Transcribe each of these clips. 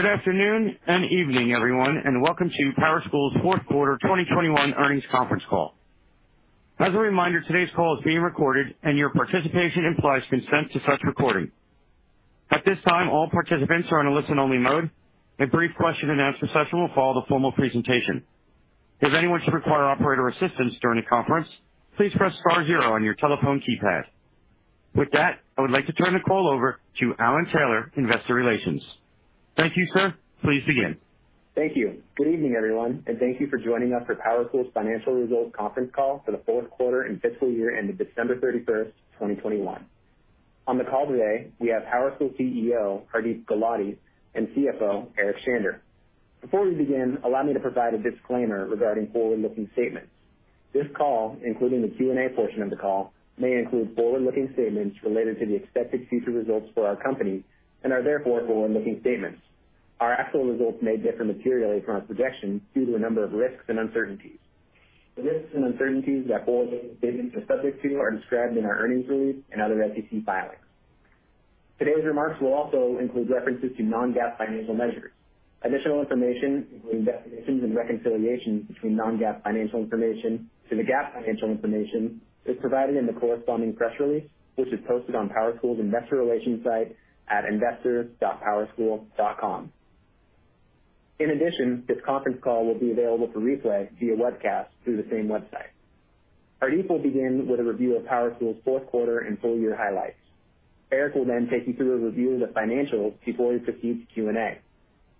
Good afternoon and evening, everyone, and welcome to PowerSchool's Q4 2021 earnings conference call. As a reminder, today's call is being recorded and your participation implies consent to such recording. At this time, all participants are in a listen-only mode. A brief question-and-answer session will follow the formal presentation. If anyone should require operator assistance during the conference, please press star zero on your telephone keypad. With that, I would like to turn the call over to Alan Taylor, Investor Relations. Thank you, sir. Please begin. Thank you. Good evening, everyone, and thank you for joining us for PowerSchool's financial results conference call for the Q4 and fiscal year ended December 31, 2021. On the call today, we have PowerSchool CEO Hardeep Gulati and CFO Eric Shander. Before we begin, allow me to provide a disclaimer regarding forward-looking statements. This call, including the Q&A portion of the call, may include forward-looking statements related to the expected future results for our company and are therefore forward-looking statements. Our actual results may differ materially from our projections due to a number of risks and uncertainties. The risks and uncertainties that forward-looking statements are subject to are described in our earnings release and other SEC filings. Today's remarks will also include references to non-GAAP financial measures. Additional information, including definitions and reconciliations between non-GAAP financial information to the GAAP financial information, is provided in the corresponding press release, which is posted on PowerSchool's Investor Relations site at investor.powerschool.com. In addition, this conference call will be available for replay via webcast through the same website. Hardeep will begin with a review of PowerSchool's Q4 and full year highlights. Eric will then take you through a review of the financials before he proceeds to Q&A.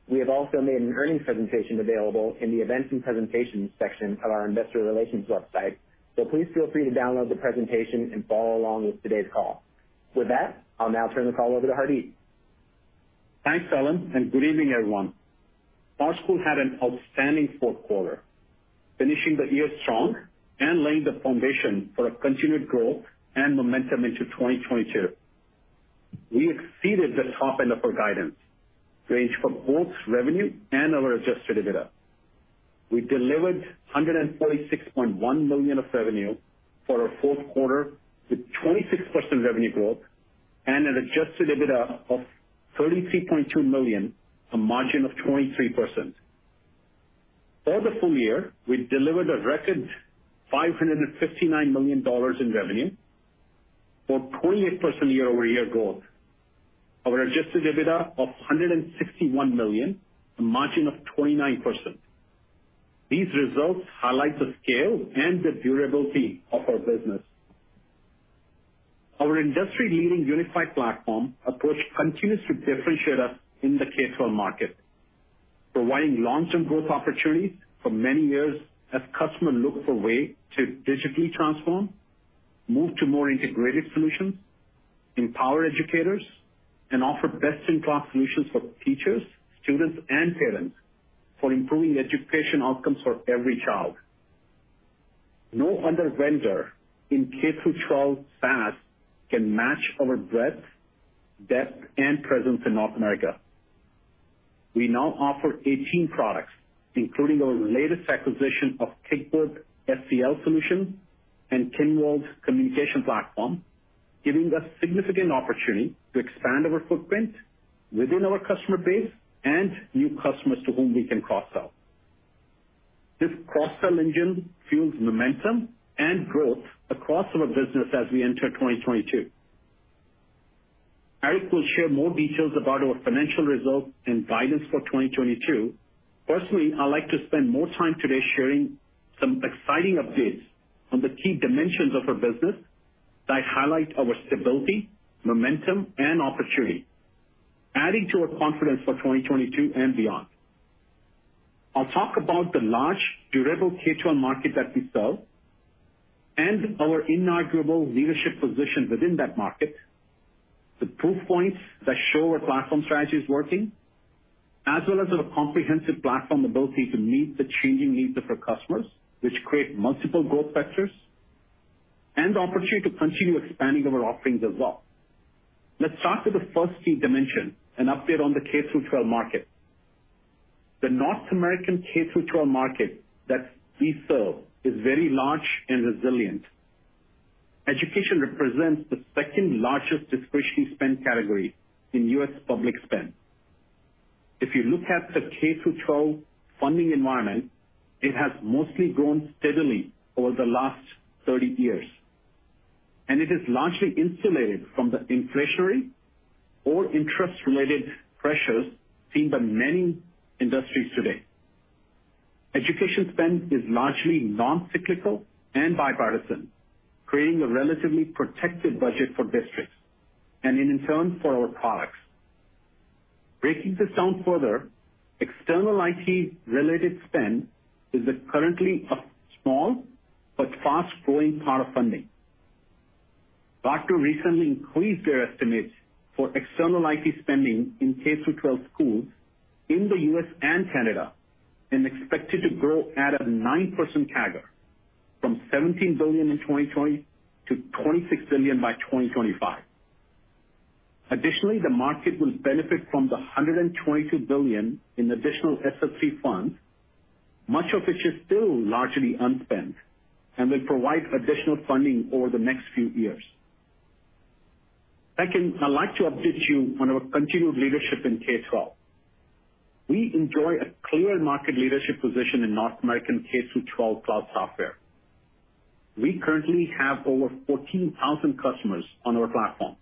We have also made an earnings presentation available in the Events and Presentations section of our Investor Relations website, so please feel free to download the presentation and follow along with today's call. With that, I'll now turn the call over to Hardeep. Thanks, Alan, and good evening, everyone. PowerSchool had an outstanding Q4, finishing the year strong and laying the foundation for a continued growth and momentum into 2022. We exceeded the top end of our guidance range for both revenue and our adjusted EBITDA. We delivered $146.1 million of revenue for our Q4, with 26% revenue growth and an adjusted EBITDA of $33.2 million, a margin of 23%. For the full year, we delivered a record $559 million in revenue for 28% year-over-year growth. Our adjusted EBITDA of $161 million, a margin of 29%. These results highlight the scale and the durability of our business. Our industry-leading unified platform approach continues to differentiate us in the K-12 market, providing long-term growth opportunities for many years as customers look for ways to digitally transform, move to more integrated solutions, empower educators, and offer best-in-class solutions for teachers, students, and parents for improving education outcomes for every child. No other vendor in K-12 SaaS can match our breadth, depth, and presence in North America. We now offer 18 products, including our latest acquisition of Kickboard SEL solution and Kinvolved's communication platform, giving us significant opportunity to expand our footprint within our customer base and new customers to whom we can cross-sell. This cross-sell engine fuels momentum and growth across our business as we enter 2022. Eric will share more details about our financial results and guidance for 2022. Personally, I'd like to spend more time today sharing some exciting updates on the key dimensions of our business that highlight our stability, momentum, and opportunity, adding to our confidence for 2022 and beyond. I'll talk about the large, durable K-12 market that we serve and our inaugural leadership position within that market, the proof points that show our platform strategy is working, as well as our comprehensive platform ability to meet the changing needs of our customers, which create multiple growth vectors and the opportunity to continue expanding our offerings as well. Let's start with the first key dimension, an update on the K-12 market. The North American K-12 market that we serve is very large and resilient. Education represents the second-largest discretionary spend category in U.S. public spend. If you look at the K-12 funding environment, it has mostly grown steadily over the last 30 years, and it is largely insulated from the inflationary or interest-related pressures seen by many industries today. Education spend is largely non-cyclical and bipartisan, creating a relatively protected budget for districts and in turn for our products. Breaking this down further, external IT-related spend is currently a small but fast-growing part of funding. Gartner recently increased their estimates for external IT spending in K-12 schools in the U.S. and Canada and expect it to grow at a 9% CAGR from $17 billion in 2020 to $26 billion by 2025. Additionally, the market will benefit from the $122 billion in additional ESSER funds, much of which is still largely unspent, and will provide additional funding over the next few years. Second, I'd like to update you on our continued leadership in K-12. We enjoy a clear market leadership position in North American K-through-twelve cloud software. We currently have over 14,000 customers on our platform.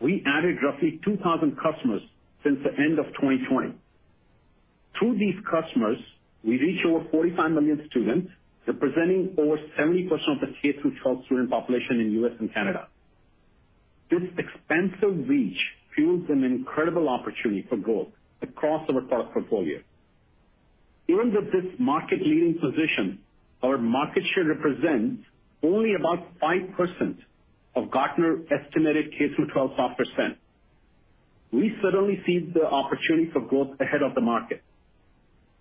We added roughly 2,000 customers since the end of 2020. Through these customers, we reach over 45 million students, representing over 70% of the K-through-twelve student population in U.S. and Canada. This expansive reach fuels an incredible opportunity for growth across our product portfolio. Even with this market-leading position, our market share represents only about 5% of Gartner estimated K-through-twelve software spend. We certainly see the opportunity for growth ahead of the market,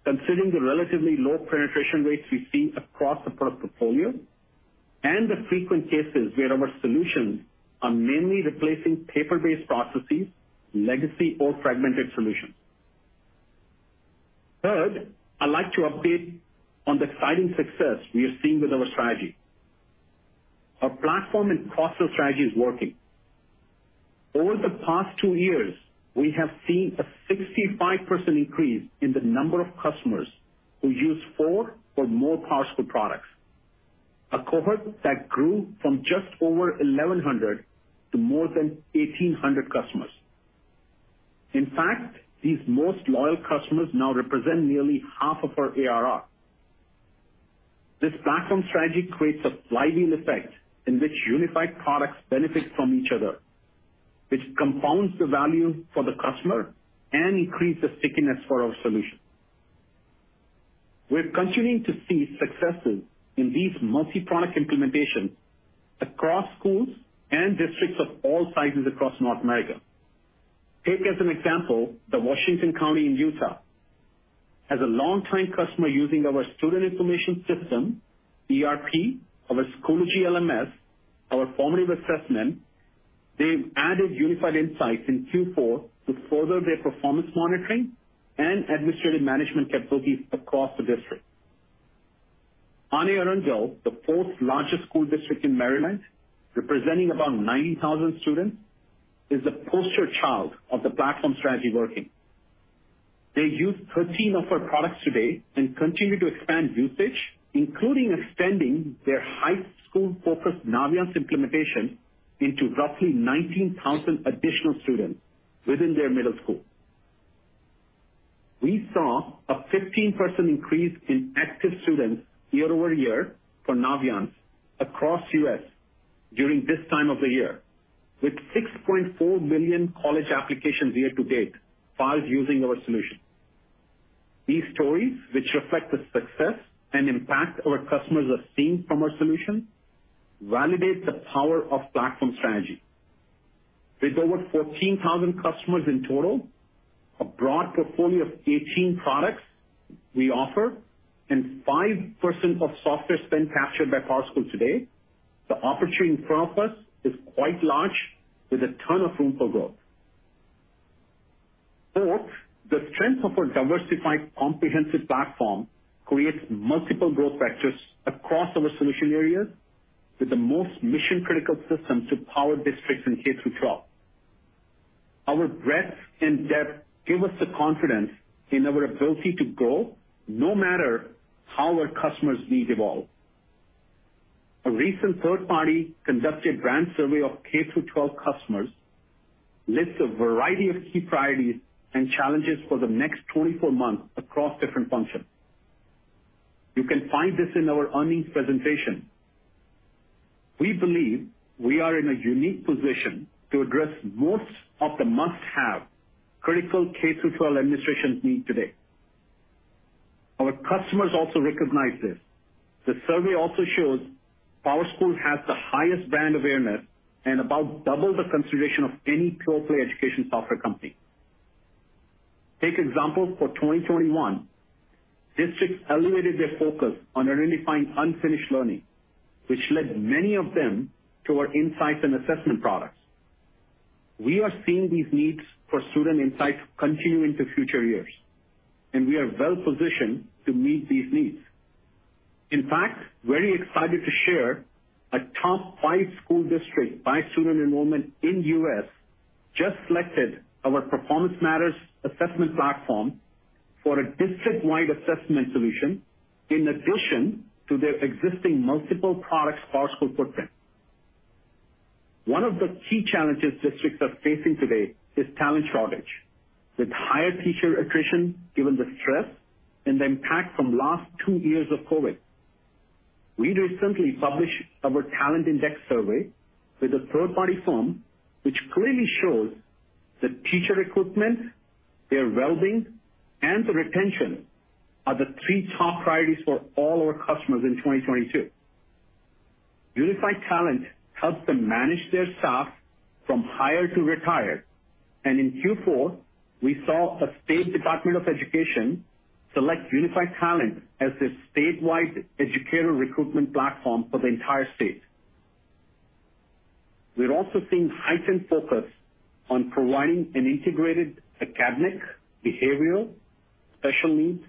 considering the relatively low penetration rates we see across the product portfolio and the frequent cases where our solutions are mainly replacing paper-based processes, legacy or fragmented solutions. Third, I'd like to update on the exciting success we are seeing with our strategy. Our platform and cross-sell strategy is working. Over the past two years, we have seen a 65% increase in the number of customers who use four or more PowerSchool products, a cohort that grew from just over 1,100 to more than 1,800 customers. In fact, these most loyal customers now represent nearly half of our ARR. This platform strategy creates a flywheel effect in which unified products benefit from each other, which compounds the value for the customer and increase the stickiness for our solution. We're continuing to see successes in these multi-product implementations across schools and districts of all sizes across North America. Take as an example, the Washington County in Utah. As a longtime customer using our student information system, ERP, our Schoology LMS, our formative assessment, they've added Unified Insights in Q4 to further their performance monitoring and administrative management capabilities across the district. Anne Arundel, the fourth largest school district in Maryland, representing about 90,000 students, is the poster child of the platform strategy working. They use 13 of our products today and continue to expand usage, including extending their high school-focused Naviance implementation into roughly 19,000 additional students within their middle school. We saw a 15% increase in active students year-over-year for Naviance across the U.S. during this time of the year, with 6.4 million college applications year-to-date filed using our solution. These stories, which reflect the success and impact our customers have seen from our solution, validate the power of platform strategy. With over 14,000 customers in total, a broad portfolio of 18 products we offer, and 5% of software spend captured by PowerSchool today, the opportunity in front of us is quite large with a ton of room for growth. Fourth, the strength of our diversified comprehensive platform creates multiple growth vectors across our solution areas with the most mission-critical systems to power districts in K-12. Our breadth and depth give us the confidence in our ability to grow no matter how our customers' needs evolve. A recent third-party-conducted brand survey of K-12 customers lists a variety of key priorities and challenges for the next 24 months across different functions. You can find this in our earnings presentation. We believe we are in a unique position to address most of the must-have critical K-12 administrations need today. Our customers also recognize this. The survey also shows PowerSchool has the highest brand awareness and about double the consideration of any pure play education software company. For example, in 2021. Districts elevated their focus on identifying unfinished learning, which led many of them to our insights and assessment products. We are seeing these needs for student insights continue into future years, and we are well-positioned to meet these needs. In fact, we are very excited to share a top five school district by student enrollment in the U.S. just selected our Performance Matters assessment platform for a district-wide assessment solution in addition to their existing multiple products PowerSchool puts in. One of the key challenges districts are facing today is talent shortage. With higher teacher attrition given the stress and the impact from the last two years of COVID. We recently published our talent index survey with a third-party firm which clearly shows that teacher recruitment, their wellbeing, and the retention are the three top priorities for all our customers in 2022. Unified Talent helps them manage their staff from hire to retire. In Q4, we saw a state department of education select Unified Talent as the statewide educator recruitment platform for the entire state. We're also seeing heightened focus on providing an integrated academic, behavioral, special needs,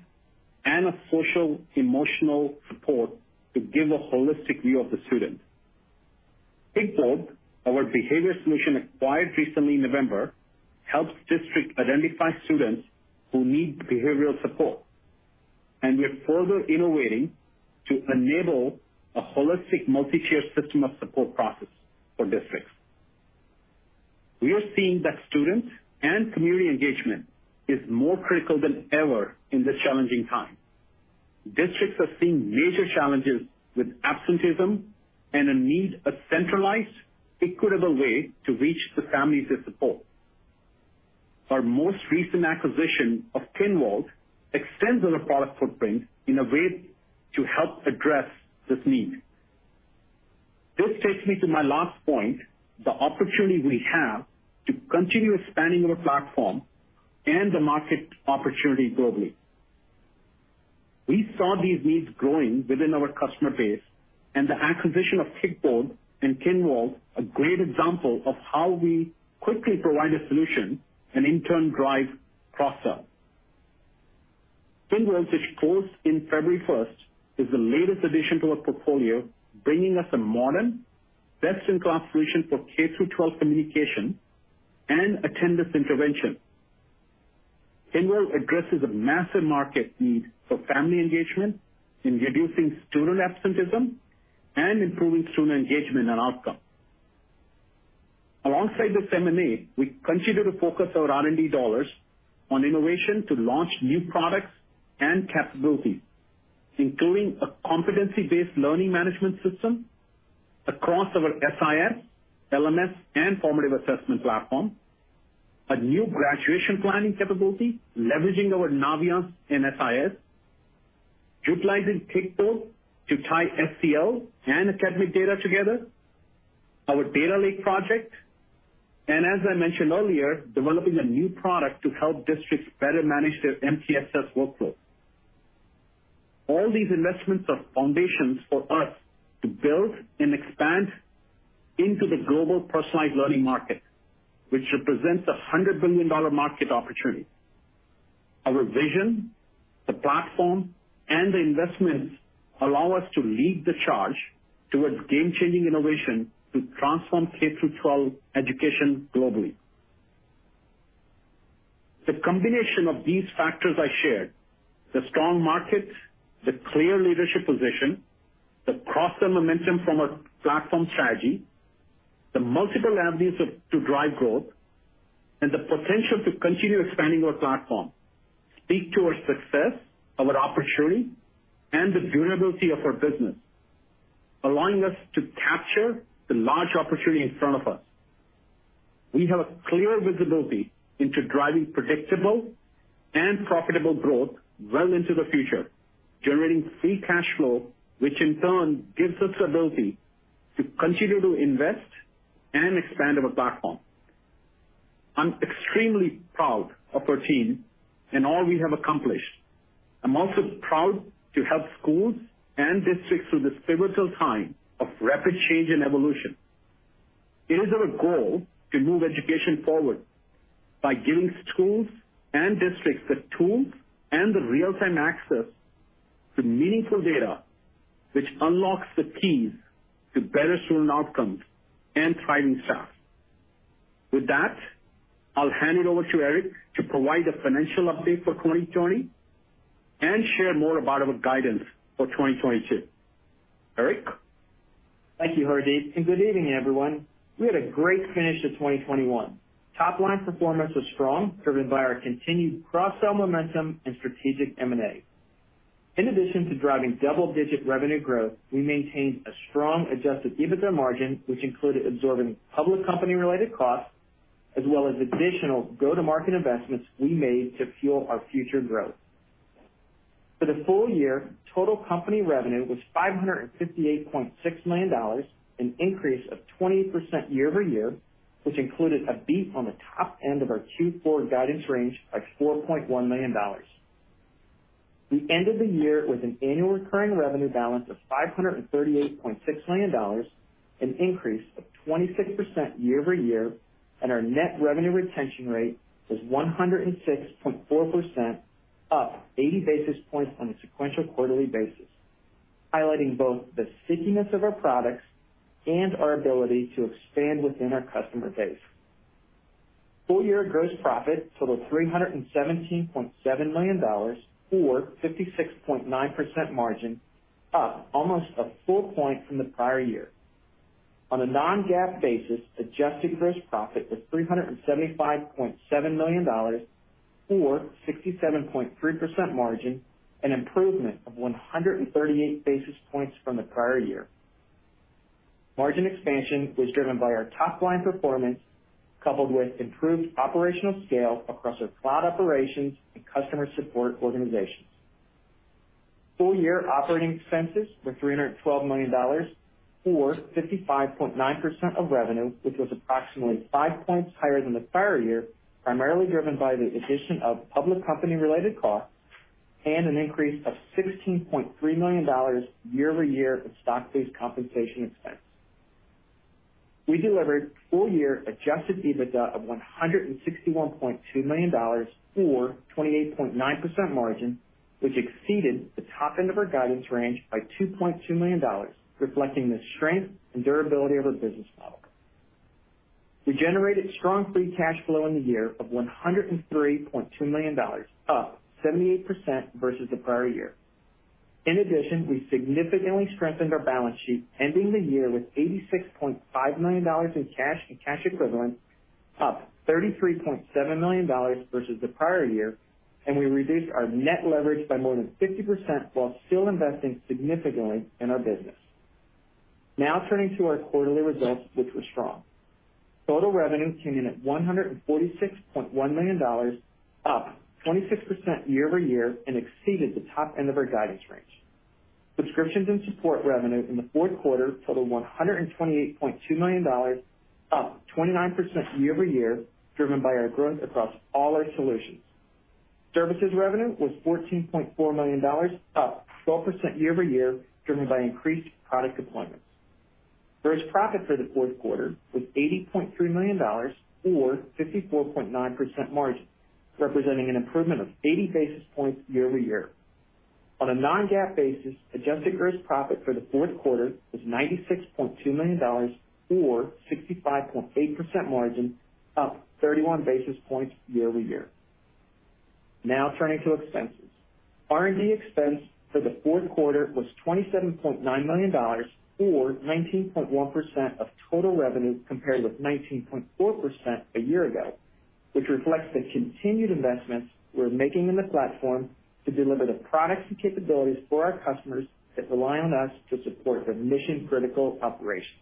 and social-emotional support to give a holistic view of the student. Kickboard, our behavior solution acquired recently in November, helps districts identify students who need behavioral support. We're further innovating to enable a holistic multi-tiered system of support process for districts. We are seeing that students and community engagement is more critical than ever in this challenging time. Districts are seeing major challenges with absenteeism and a need, a centralized, equitable way to reach the families they support. Our most recent acquisition of Kinvolved extends our product footprint in a way to help address this need. This takes me to my last point, the opportunity we have to continue expanding our platform and the market opportunity globally. We saw these needs growing within our customer base and the acquisition of Kickboard and Kinvolved, a great example of how we quickly provide a solution and in turn, drive cross-sell. Kinvolved, which closed in February first, is the latest addition to our portfolio, bringing us a modern, best-in-class solution for K-12 communication and attendance intervention. Kinvolved addresses a massive market need for family engagement in reducing student absenteeism and improving student engagement and outcome. Alongside this M&A, we continue to focus our R&D dollars on innovation to launch new products and capabilities, including a competency-based learning management system across our SIS, LMS, and formative assessment platform, a new graduation planning capability leveraging our Naviance and SIS, utilizing Kickboard to tie SEL and academic data together, our Data Lake project, and as I mentioned earlier, developing a new product to help districts better manage their MTSS workflow. All these investments are foundations for us to build and expand into the global personalized learning market, which represents a $100 billion market opportunity. Our vision, the platform, and the investments allow us to lead the charge towards game-changing innovation to transform K-12 education globally. The combination of these factors I shared, the strong markets, the clear leadership position, the cross-sell momentum from our platform strategy, the multiple avenues to drive growth, and the potential to continue expanding our platform speak to our success, our opportunity, and the durability of our business, allowing us to capture the large opportunity in front of us. We have a clear visibility into driving predictable and profitable growth well into the future, generating free cash flow, which in turn gives us ability to continue to invest and expand our platform. I'm extremely proud of our team and all we have accomplished. I'm also proud to help schools and districts through this pivotal time of rapid change and evolution. It is our goal to move education forward by giving schools and districts the tools and the real-time access to meaningful data, which unlocks the keys to better student outcomes and thriving staff. With that, I'll hand it over to Eric to provide a financial update for 2020 and share more about our guidance for 2022. Eric? Thank you, Hardeep, and good evening, everyone. We had a great finish to 2021. Top line performance was strong, driven by our continued cross-sell momentum and strategic M&A. In addition to driving double-digit revenue growth, we maintained a strong adjusted EBITDA margin, which included absorbing public company-related costs as well as additional go-to-market investments we made to fuel our future growth. For the full year, total company revenue was $558.6 million, an increase of 20% year-over-year, which included a beat on the top end of our Q4 guidance range by $4.1 million. We ended the year with an annual recurring revenue balance of $538.6 million, an increase of 26% year-over-year, and our net revenue retention rate was 106.4% up 80 basis points on a sequential quarterly basis, highlighting both the stickiness of our products and our ability to expand within our customer base. Full year gross profit totaled $317.7 million or 56.9% margin, up almost a full point from the prior year. On a non-GAAP basis, adjusted gross profit was $375.7 million or 67.3% margin, an improvement of 138 basis points from the prior year. Margin expansion was driven by our top line performance, coupled with improved operational scale across our cloud operations and customer support organizations. Full-year operating expenses were $312 million or 55.9% of revenue, which was approximately five points higher than the prior year, primarily driven by the addition of public company-related costs and an increase of $16.3 million year-over-year of stock-based compensation expense. We delivered full-year adjusted EBITDA of $161.2 million or 28.9% margin, which exceeded the top end of our guidance range by $2.2 million, reflecting the strength and durability of our business model. We generated strong free cash flow in the year of $103.2 million, up 78% versus the prior year. In addition, we significantly strengthened our balance sheet, ending the year with $86.5 million in cash and cash equivalents, up $33.7 million versus the prior year, and we reduced our net leverage by more than 50%, while still investing significantly in our business. Now turning to our quarterly results, which were strong. Total revenue came in at $146.1 million, up 26% year-over-year and exceeded the top end of our guidance range. Subscriptions and support revenue in the Q4 totaled $128.2 million, up 29% year-over-year, driven by our growth across all our solutions. Services revenue was $14.4 million, up 12% year-over-year, driven by increased product deployments. Gross profit for the Q4 was $80.3 million or 54.9% margin, representing an improvement of 80 basis points year-over-year. On a non-GAAP basis, adjusted gross profit for the Q4 was $96.2 million or 65.8% margin, up 31 basis points year-over-year. Now turning to expenses. R&D expense for the Q4 was $27.9 million or 19.1% of total revenue compared with 19.4% a year ago, which reflects the continued investments we're making in the platform to deliver the products and capabilities for our customers that rely on us to support their mission-critical operations.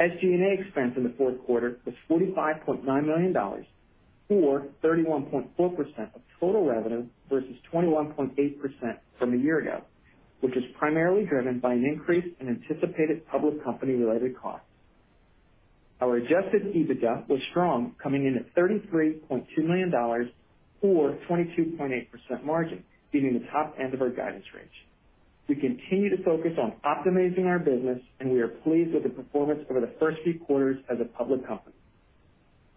SG&A expense in the Q4 was $45.9 million or 31.4% of total revenue versus 21.8% from a year ago, which is primarily driven by an increase in anticipated public company-related costs. Our adjusted EBITDA was strong, coming in at $33.2 million or 22.8% margin, beating the top end of our guidance range. We continue to focus on optimizing our business, and we are pleased with the performance over the first few quarters as a public company.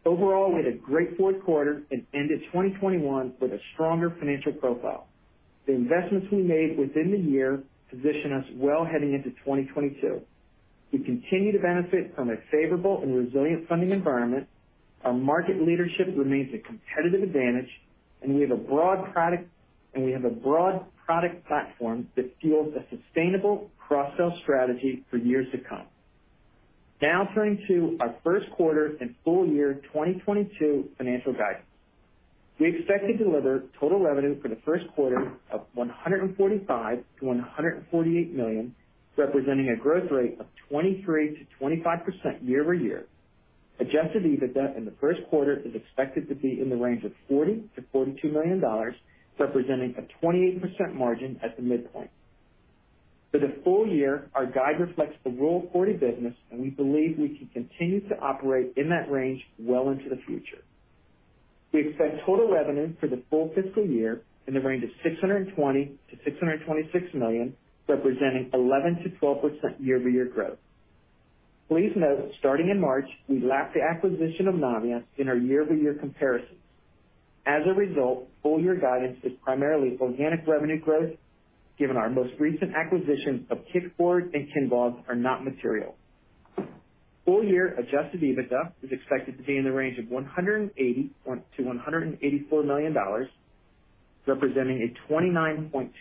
Overall, we had a great fourth quarter and ended 2021 with a stronger financial profile. The investments we made within the year position us well heading into 2022. We continue to benefit from a favorable and resilient funding environment. Our market leadership remains a competitive advantage, and we have a broad product platform that fuels a sustainable cross-sell strategy for years to come. Now turning to our first quarter and full year 2022 financial guidance. We expect to deliver total revenue for the first quarter of $145 million-$148 million, representing a growth rate of 23%-25% year-over-year. Adjusted EBITDA in the first quarter is expected to be in the range of $40 million-$42 million, representing a 28% margin at the midpoint. For the full year, our guide reflects the Rule of 40 business, and we believe we can continue to operate in that range well into the future. We expect total revenue for the full fiscal year in the range of $620 million-$626 million, representing 11%-12% year-over-year growth. Please note, starting in March, we lack the acquisition of Naviance in our year-over-year comparisons. As a result, full year guidance is primarily organic revenue growth, given our most recent acquisitions of Kickboard and Kinvolved are not material. Full year adjusted EBITDA is expected to be in the range of $180 million-$184 million, representing a 29.2%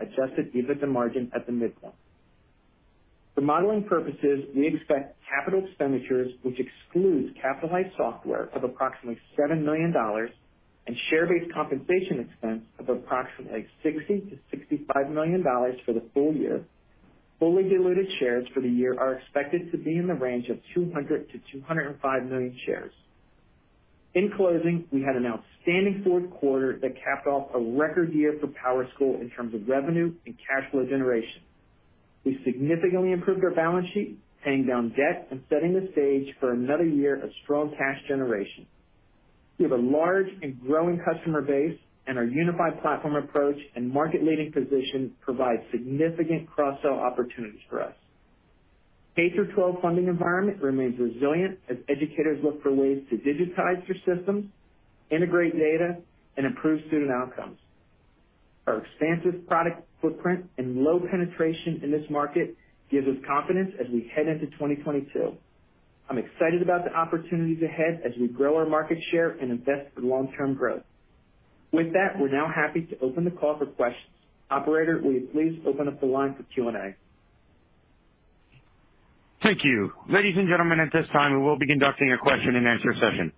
adjusted EBITDA margin at the midpoint. For modeling purposes, we expect capital expenditures, which excludes capitalized software of approximately $7 million and share-based compensation expense of approximately $60 million-$65 million for the full year. Fully diluted shares for the year are expected to be in the range of 200 million-205 million shares. In closing, we had an outstanding Q4 that capped off a record year for PowerSchool in terms of revenue and cash flow generation. We significantly improved our balance sheet, paying down debt and setting the stage for another year of strong cash generation. We have a large and growing customer base, and our unified platform approach and market-leading position provide significant cross-sell opportunities for us. K-12 funding environment remains resilient as educators look for ways to digitize their systems, integrate data and improve student outcomes. Our expansive product footprint and low penetration in this market gives us confidence as we head into 2022. I'm excited about the opportunities ahead as we grow our market share and invest for long-term growth. With that, we're now happy to open the call for questions. Operator, will you please open up the line for Q&A? Thank you. Ladies and gentlemen, at this time, we will be conducting a question-and-answer session.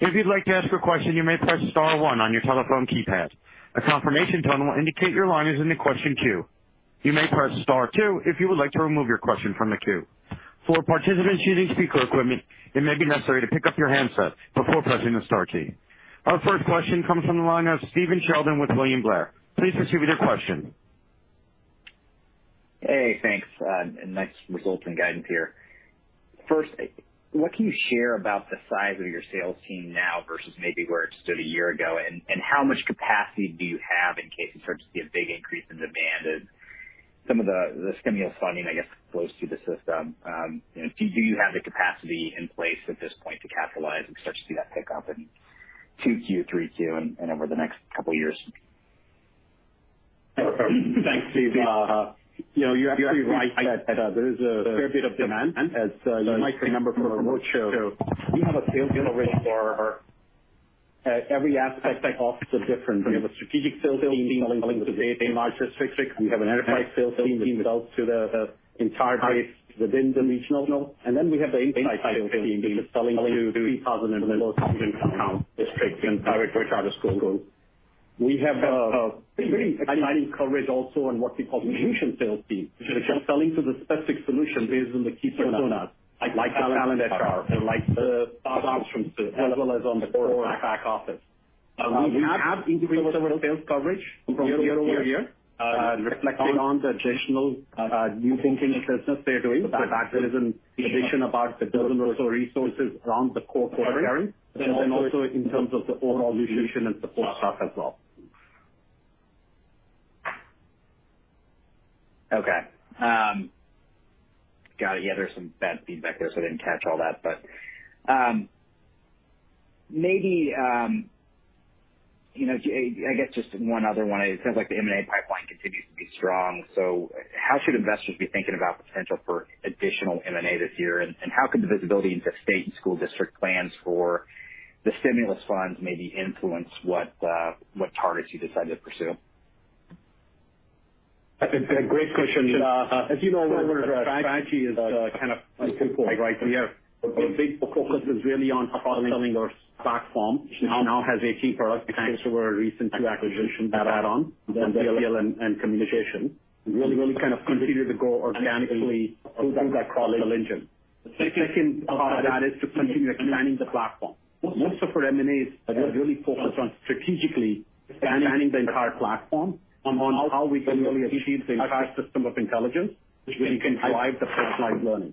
If you'd like to ask a question, you may press star one on your telephone keypad. A confirmation tone will indicate your line is in the question queue. You may press star two if you would like to remove your question from the queue. For participants using speaker equipment, it may be necessary to pick up your handset before pressing the star key. Our first question comes from the line of Stephen Sheldon with William Blair. Please proceed with your question. Hey, thanks, nice results and guidance here. First, what can you share about the size of your sales team now versus maybe where it stood a year ago? How much capacity do you have in case you start to see a big increase in demand? Some of the stimulus funding, I guess, flows through the system. Do you have the capacity in place at this point to capitalize and start to see that pick up in 2Q, 3Q and over the next couple of years? Thanks, Steve. You know, you're right that there is a fair bit of demand as you might say, inbound from roadshow. We have a sales team arrayed for every aspect of the different. We have a strategic sales team selling to the top 100 largest districts. We have an enterprise sales team that sells to the entire base within the regionals. We have the inside sales team, which is selling to 3,000 and below student count districts and direct to charter schools. We have a pretty exciting coverage also on what we call solution sales team, which is selling to the specific solution based on the key personas like Talent HR and like the platforms as well as on the core back office. We have increased our sales coverage year-over-year, reflecting on the additional new business they're doing. That is an addition about 12 or so resources around the core quarter carry, and then also in terms of the overall solution and support staff as well. Okay. Got it. Yeah, there's some bad feedback there, so I didn't catch all that. But, maybe, you know, I guess just one other one. It sounds like the M&A pipeline continues to be strong. How should investors be thinking about potential for additional M&A this year? And how could the visibility into state and school district plans for the stimulus funds maybe influence what targets you decide to pursue? That's a great question. As you know, our strategy is kind of twofold right here. A big focus is really on cross-selling our platform, which now has 18 products thanks to our recent two acquisitions add-on, the L&O and communication, really kind of continue to go organically through that cross-sell engine. The second part of that is to continue expanding the platform. Most of our M&As are really focused on strategically expanding the entire platform on how we can really achieve the entire system of intelligence, which will drive the personalized learning.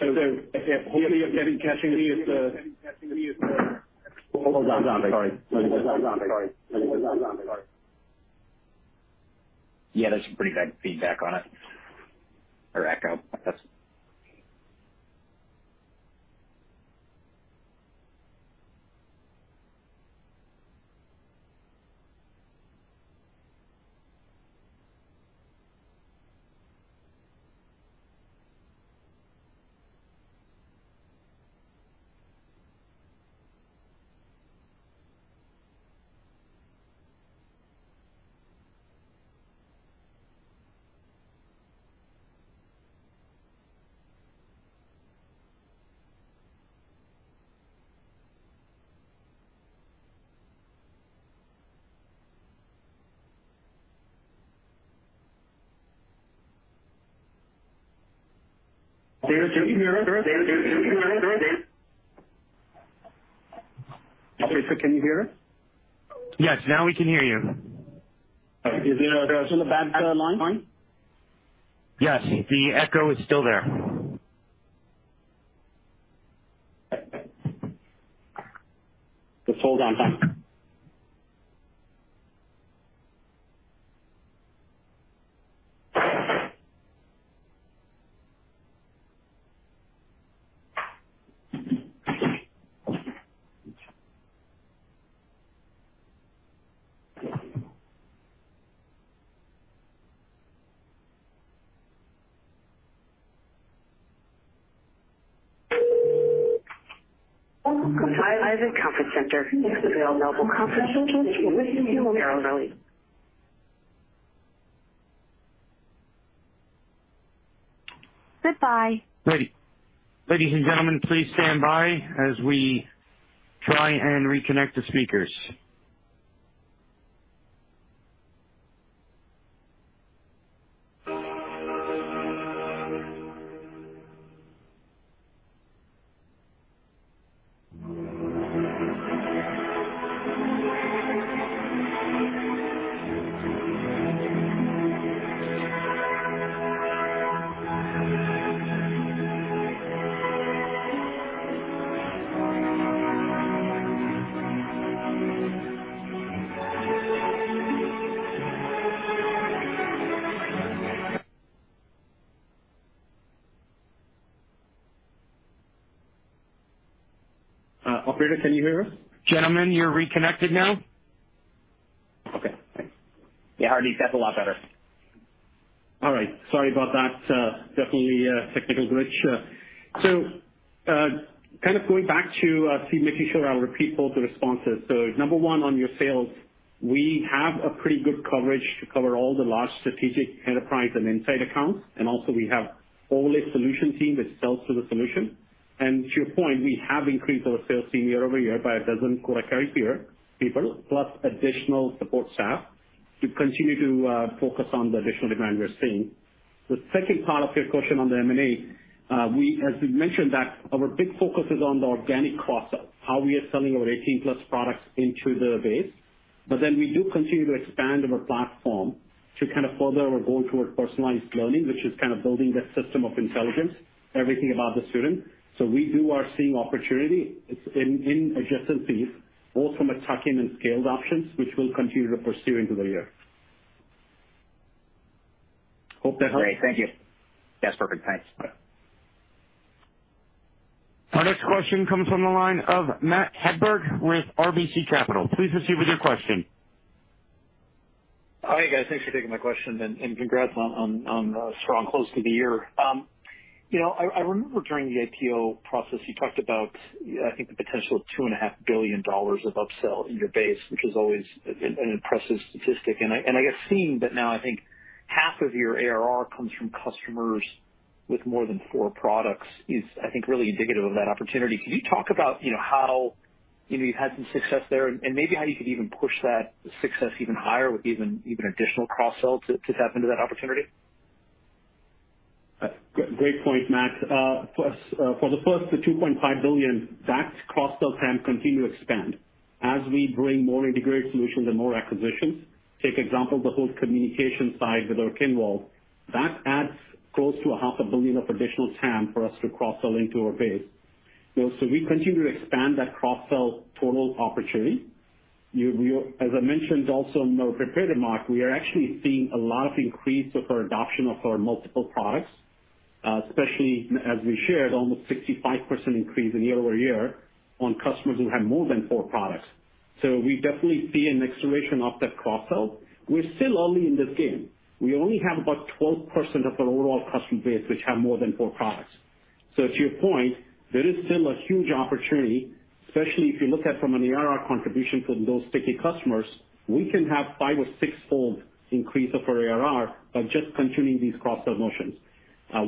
Hopefully you're catching me as the- Hold on. Sorry. Yeah, there's some pretty bad feedback on it or echo. David, can you hear us? Operator, can you hear us? Yes, now we can hear you. Is there still a bad line? Yes, the echo is still there. Just hold on one second. Welcome to the conference center. The available conference lines. Goodbye. Lady, ladies and gentlemen, please stand by as we try and reconnect the speakers. Operator, can you hear us? Gentlemen, you're reconnected now. Okay, thanks. Yeah, Hardeep, that's a lot better. All right. Sorry about that. Definitely a technical glitch. Kind of going back to Steven, making sure I repeat both the responses. Number one, on your sales, we have a pretty good coverage to cover all the large strategic enterprise and inside accounts. Also we have a solution team that sells the solution. To your point, we have increased our sales team year-over-year by 12 quota carry people, plus additional support staff to continue to focus on the additional demand we're seeing. The second part of your question on the M&A, as we mentioned that our big focus is on the organic cross-sell, how we are selling our 18+ products into the base. We do continue to expand our platform to kind of further our goal toward personalized learning, which is kind of building that system of intelligence, everything about the student. We are seeing opportunity in adjacent fees, both from a tuck-in and scaled options, which we'll continue to pursue into the year. Hope that's Great. Thank you. That's perfect. Thanks. Bye. Our next question comes from the line of Matt Hedberg with RBC Capital. Please proceed with your question. Hi, guys. Thanks for taking my questions and congrats on a strong close to the year. You know, I remember during the IPO process you talked about, I think, the potential of $2.5 billion of upsell in your base, which is always an impressive statistic. I guess seeing that now I think half of your ARR comes from customers with more than four products is really indicative of that opportunity. Can you talk about you know how you've had some success there and maybe how you could even push that success even higher with even additional cross-sells to tap into that opportunity? Great point, Matt. For the first $2.5 billion, that cross-sell can continue to expand as we bring more integrated solutions and more acquisitions. For example, the whole communication side with our Kinvolved, that adds close to a half a billion of additional TAM for us to cross-sell into our base. You know, we continue to expand that cross-sell total opportunity. As I mentioned also in our prepared remarks, we are actually seeing a lot of increase in our adoption of our multiple products, especially as we shared almost 65% increase year-over-year on customers who have more than four products. We definitely see an acceleration of that cross-sell. We're still early in this game. We only have about 12% of our overall customer base which have more than four products. To your point, there is still a huge opportunity, especially if you look at it from an ARR contribution from those sticky customers. We can have 5 or 6-fold increase of our ARR by just continuing these cross-sell motions.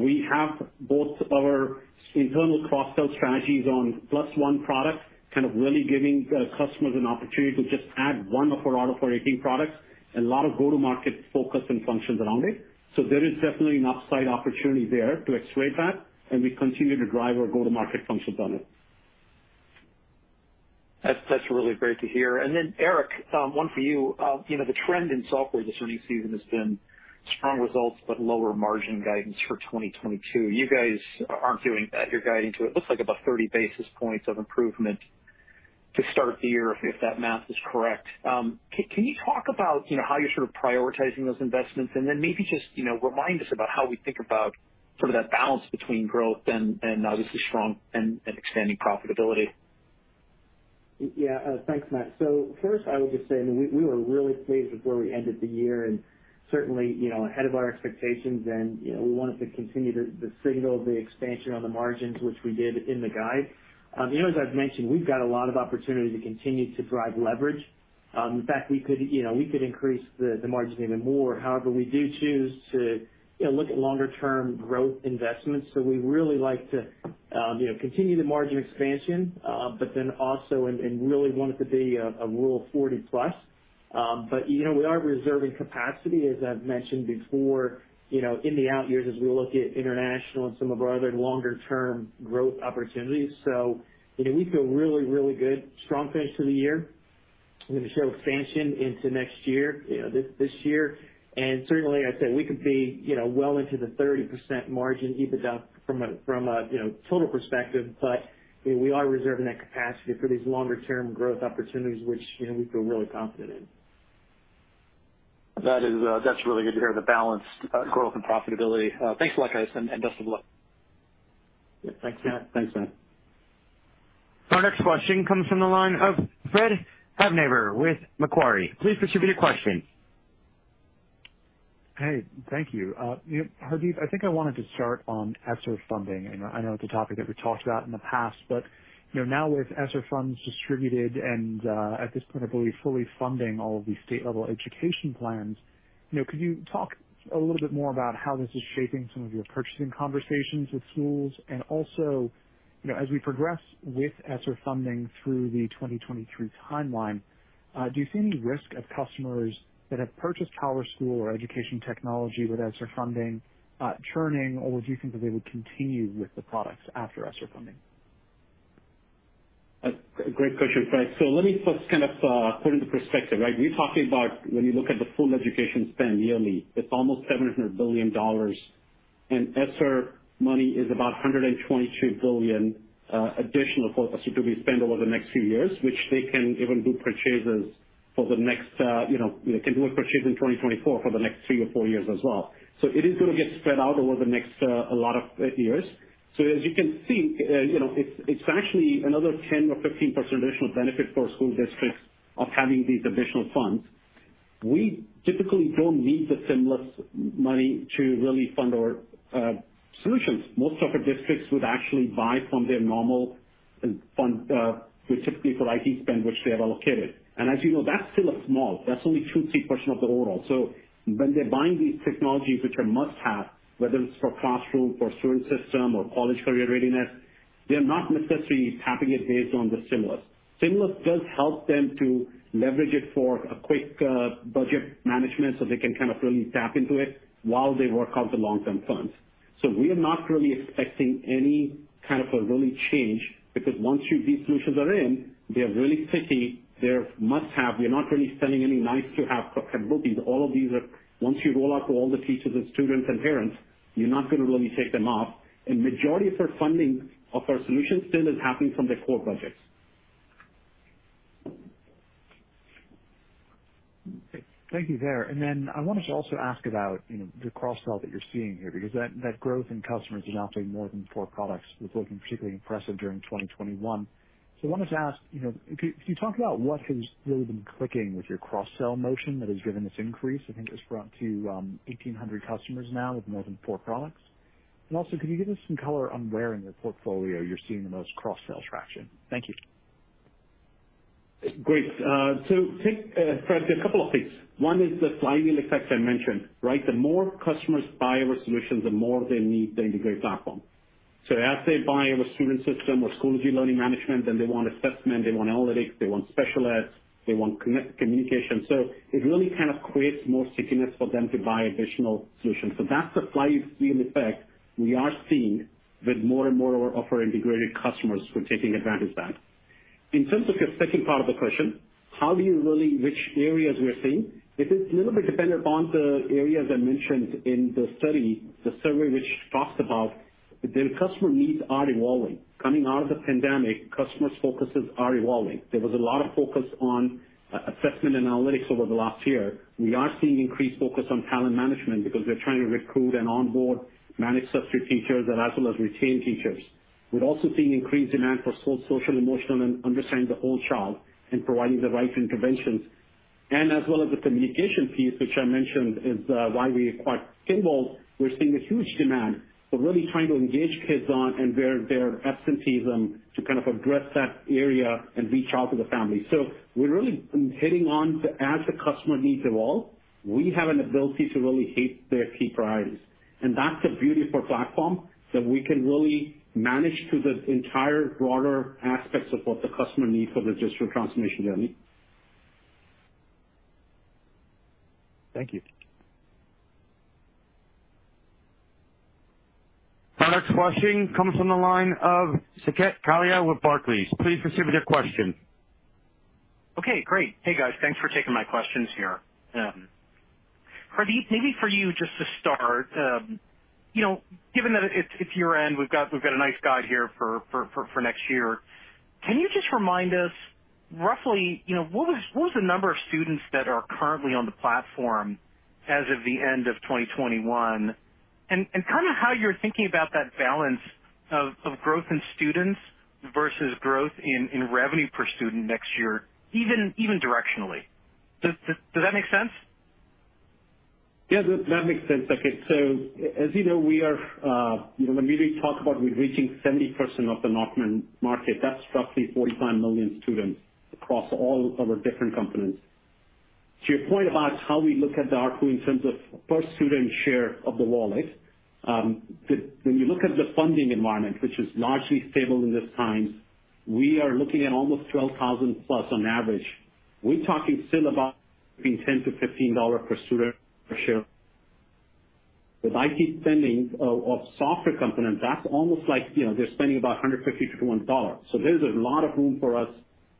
We have both our internal cross-sell strategies on plus one product, kind of really giving customers an opportunity to just add one of our 18 products, a lot of go-to-market focus and functions around it. There is definitely an upside opportunity there to accelerate that, and we continue to drive our go-to-market functions on it. That's really great to hear. Eric, one for you. You know, the trend in software this earnings season has been strong results but lower margin guidance for 2022. You guys aren't doing that. You're guiding to it looks like about 30 basis points of improvement to start the year if that math is correct. Can you talk about, you know, how you're sort of prioritizing those investments, and then maybe just, you know, remind us about how we think about sort of that balance between growth and obviously strong and extending profitability? Yeah. Thanks, Matt. First, I would just say, I mean, we were really pleased with where we ended the year, and certainly, you know, ahead of our expectations. You know, we wanted to continue the signal of the expansion on the margins, which we did in the guide. You know, as I've mentioned, we've got a lot of opportunity to continue to drive leverage. In fact, we could, you know, increase the margins even more. However, we do choose to, you know, look at longer term growth investments. We really like to, you know, continue the margin expansion, but then also and really want it to be a Rule of 40 plus. You know, we are reserving capacity, as I've mentioned before, you know, in the out years as we look at international and some of our other longer term growth opportunities. You know, we feel really good. Strong finish to the year. We're gonna show expansion into next year, you know, this year. Certainly, I'd say we could be, you know, well into the 30% margin EBITDA from a total perspective. You know, we are reserving that capacity for these longer term growth opportunities, which, you know, we feel really confident in. That is, that's really good to hear the balanced growth and profitability. Thanks a lot, guys, and best of luck. Yeah. Thanks, Matt. Thanks, Matt. Our next question comes from the line of Fred Havemeyer with Macquarie. Please proceed with your question. Hey. Thank you. You know, Hardeep, I think I wanted to start on ESSER funding. I know it's a topic that we've talked about in the past, but, you know, now with ESSER funds distributed and, at this point, I believe fully funding all of the state level education plans, you know, could you talk a little bit more about how this is shaping some of your purchasing conversations with schools? Also, you know, as we progress with ESSER funding through the 2023 timeline, do you see any risk of customers that have purchased PowerSchool or education technology with ESSER funding, churning, or do you think that they would continue with the products after ESSER funding? Great question, Fred. Let me first kind of put into perspective, right? We're talking about when you look at the full education spend yearly, it's almost $700 billion. ESSER money is about $122 billion, additional focus to be spent over the next few years, which they can even do a purchase in 2024 for the next three or four years as well. It is gonna get spread out over the next a lot of years. As you can see, you know, it's actually another 10% or 15% additional benefit for school districts of having these additional funds. We typically don't need the stimulus money to really fund our solutions. Most of our districts would actually buy from their normal fund, specifically for IT spend, which they have allocated. As you know, that's still a small, that's only 2%-3% of the overall. When they're buying these technologies, which are must-have, whether it's for classroom, for student system or college career readiness, they're not necessarily tapping it based on the stimulus. Stimulus does help them to leverage it for a quick, budget management, so they can kind of really tap into it while they work out the long-term funds. We are not really expecting any kind of a really change because once these solutions are in, they're really sticky, they're must-have. We're not really selling any nice-to-have capabilities. All of these are once you roll out to all the teachers and students and parents, you're not gonna really take them off. Majority of our funding of our solutions still is happening from their core budgets. Thank you there. I wanted to also ask about, you know, the cross-sell that you're seeing here because that growth in customers is now paying more than four products was looking particularly impressive during 2021. I wanted to ask, you know, could you talk about what has really been clicking with your cross-sell motion that has driven this increase? I think it was up to 1,800 customers now with more than four products. Also, could you give us some color on where in the portfolio you're seeing the most cross-sell traction? Thank you. Great. Take, Fred, a couple of things. One is the flywheel effect I mentioned, right? The more customers buy our solutions, the more they need the integrated platform. As they buy our student system or school e-learning management, then they want assessment, they want analytics, they want special ed's, they want communication. It really kind of creates more stickiness for them to buy additional solutions. That's the flywheel effect we are seeing with more and more of our offering integrated customers who are taking advantage of that. In terms of the second part of the question, how do you really which areas we are seeing, it is a little bit dependent on the areas I mentioned in the study, the survey which talks about the customer needs are evolving. Coming out of the pandemic, customers' focuses are evolving. There was a lot of focus on assessment analytics over the last year. We are seeing increased focus on talent management because they're trying to recruit and onboard, manage substitute teachers, and as well as retain teachers. We're also seeing increased demand for social, emotional, and understanding the whole child and providing the right interventions, as well as the communication piece, which I mentioned is why we acquired Kinvolved. We're seeing a huge demand for really trying to engage kids on and their absenteeism to kind of address that area and reach out to the family. So we're really hitting on to as the customer needs evolve, we have an ability to really hit their key priorities. That's the beauty of our platform, that we can really manage to the entire broader aspects of what the customer needs for the digital transformation journey. Thank you. Our next question comes from the line of Saket Kalia with Barclays. Please proceed with your question. Okay, great. Hey, guys. Thanks for taking my questions here. Hardeep, maybe for you just to start, you know, given that it's year-end, we've got a nice guide here for next year. Can you just remind us roughly, you know, what was the number of students that are currently on the platform as of the end of 2021? And kinda how you're thinking about that balance of growth in students versus growth in revenue per student next year, even directionally. Does that make sense? Yeah, that makes sense, Saket. As you know, we are, you know, when we talk about we're reaching 70% of the North American market, that's roughly 45 million students across all of our different components. To your point about how we look at the ARPU in terms of per student share of the wallet, when you look at the funding environment, which is largely stable in this time, we are looking at almost 12,000+ on average. We're talking still about between $10-$15 per student per share. With IT spending of software components, that's almost like, you know, they're spending about $150-$200. There's a lot of room for us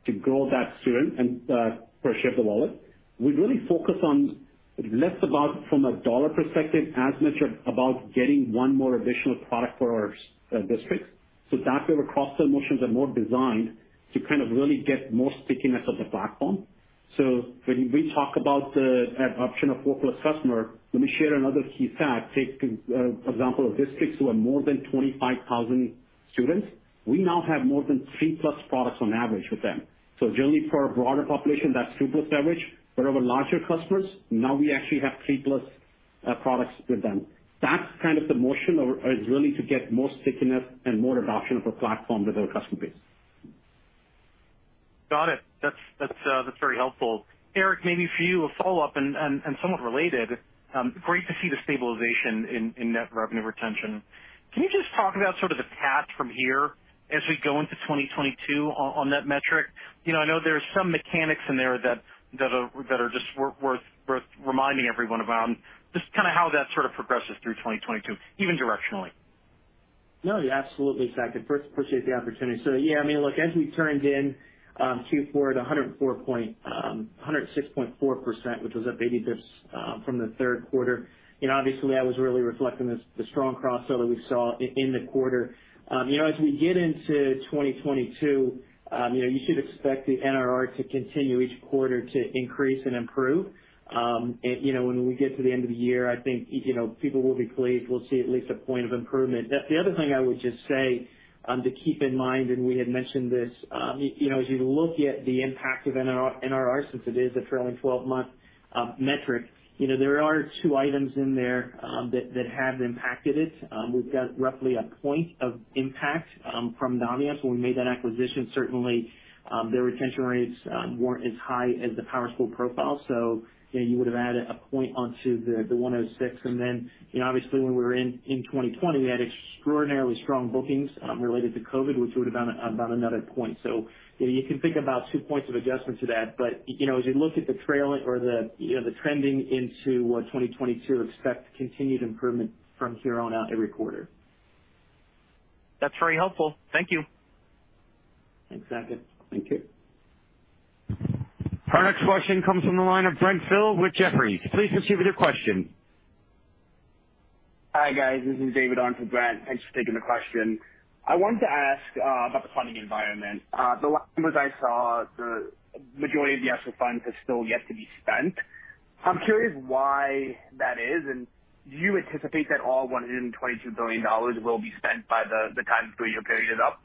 to grow that student per share of the wallet. We really focus on less about from a dollar perspective, as much about getting one more additional product for our districts. That way our cross-sell motions are more designed to kind of really get more stickiness of the platform. When we talk about the adoption of 4+ customer, let me share another key stat. Take example of districts who have more than 25,000 students. We now have more than 3+ products on average with them. Generally for our broader population, that's 2+ average. Our larger customers, now we actually have 3+ products with them. That's kind of the motion is really to get more stickiness and more adoption of our platform with our customer base. Got it. That's very helpful. Eric, maybe for you a follow-up and somewhat related, great to see the stabilization in net revenue retention. Can you just talk about sort of the path from here as we go into 2022 on that metric? You know, I know there are some mechanics in there that are just worth reminding everyone about and just kinda how that sort of progresses through 2022, even directionally. No, yeah, absolutely, Saket. First, I appreciate the opportunity. Yeah, I mean, look, as we turned in Q4 at 106.4%, which was a slight dip from the third quarter, you know, obviously that was really reflecting the strong cross-sell that we saw in the quarter. You know, as we get into 2022, you know, you should expect the NRR to continue each quarter to increase and improve. You know, when we get to the end of the year, I think, you know, people will be pleased. We'll see at least a point of improvement. The other thing I would just say to keep in mind, and we had mentioned this, you know, as you look at the impact of NRR since it is a trailing twelve-month metric, you know, there are two items in there that have impacted it. We've got roughly a point of impact from Naviance. When we made that acquisition, certainly their retention rates weren't as high as the PowerSchool profile. So, you know, you would have added a point onto the 106. And then, you know, obviously when we were in 2020, we had extraordinarily strong bookings related to COVID, which would have been about another point. So, you know, you can think about two points of adjustment to that. You know, as you look at the trailing or the, you know, the trending into 2022, expect continued improvement from here on out every quarter. That's very helpful. Thank you. Thanks, Saket. Thank you. Our next question comes from the line of Brent Thill with Jefferies. Please proceed with your question. Hi, guys. This is David Don Grant for Brent with Jefferies. Thanks for taking the question. I wanted to ask about the funding environment. The last numbers I saw, the majority of the ESSER funds have still yet to be spent. I'm curious why that is, and do you anticipate that all $122 billion will be spent by the time the three-year period is up?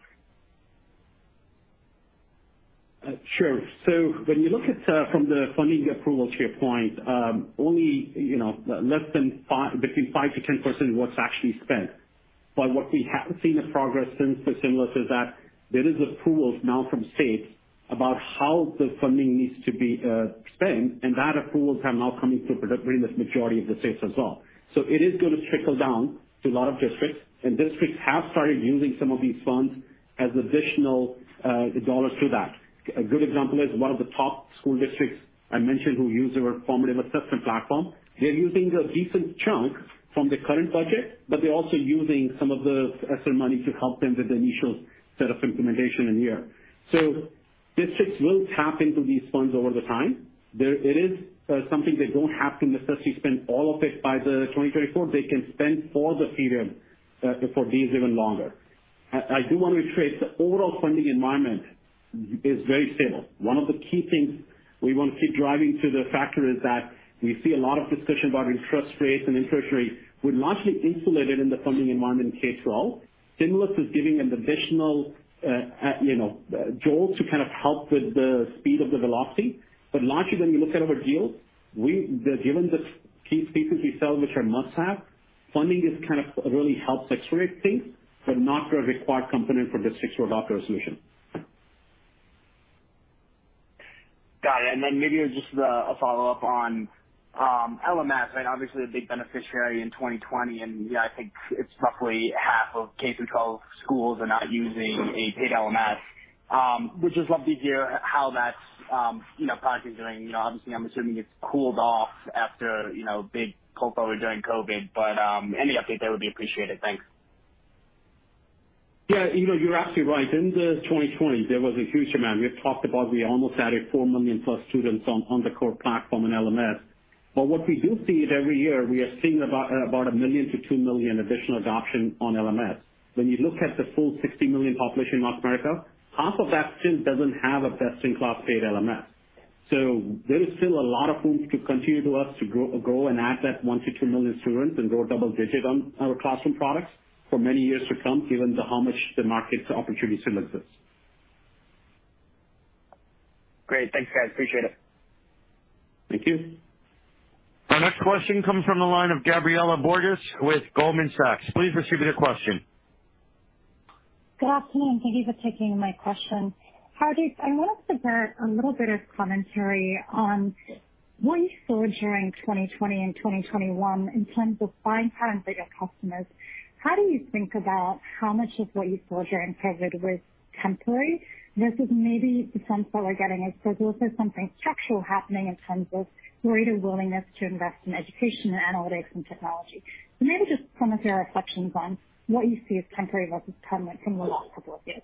Sure. When you look at from the funding approval standpoint, only, you know, between 5%-10% of what's actually spent. What we have seen the progress since the stimulus is that there is approvals now from states about how the funding needs to be spent, and that approvals have now coming through pretty much majority of the states as well. It is gonna trickle down to a lot of districts, and districts have started using some of these funds as additional dollars to that. A good example is one of the top school districts I mentioned who use our formative assessment platform. They're using a decent chunk from the current budget, but they're also using some of the ESSER money to help them with the initial set of implementation in here. Districts will tap into these funds over the time. It is something they don't have to necessarily spend all of it by 2024. They can spend for the period for these even longer. I do wanna reiterate, the overall funding environment is very stable. One of the key things we wanna keep driving to the factor is that we see a lot of discussion about interest rates. We're largely insulated in the funding environment in K-12. Stimulus is giving an additional you know jolt to kind of help with the speed of the velocity. Largely, when we look at our deals, given the key pieces we sell which are must-have, funding is kind of really helps accelerate things, but not a required component for districts to adopt our solution. Got it. Maybe just a follow-up on LMS, right? Obviously, a big beneficiary in 2020, and you know, I think it's roughly half of K-12 schools are now using a paid LMS. Would just love to hear how that's, you know, product is doing. You know, obviously, I'm assuming it's cooled off after, you know, big pull forward during COVID, but any update there would be appreciated. Thanks. Yeah. You know, you're absolutely right. In 2020, there was a huge demand. We had talked about we almost added 4 million+ students on the core platform in LMS. What we do see is every year we are seeing about 1 million-2 million additional adoption on LMS. When you look at the full 60 million population in North America, half of that students doesn't have a best-in-class paid LMS. There is still a lot of room to continue for us to grow and add that 1-2 million students and grow double-digit on our classroom products for many years to come, given how much the market 1111opportunity still exists. Great. Thanks, guys. Appreciate it. Thank you. Our next question comes from the line of Gabriela Borges with Goldman Sachs. Please proceed with your question. Good afternoon. Thank you for taking my question. Hardeep, I wanted to get a little bit of commentary on what you saw during 2020 and 2021 in terms of buying patterns of your customers. How do you think about how much of what you saw during COVID was temporary versus maybe the sense that we're getting is there's also something structural happening in terms of greater willingness to invest in education and analytics and technology. Maybe just commentary or reflections on what you see as temporary versus permanent from the last couple of years.